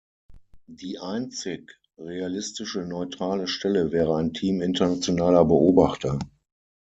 Die einzig realistische neutrale Stelle wäre ein Team internationaler Beobachter.